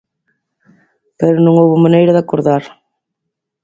Pero non houbo maneira de acordar.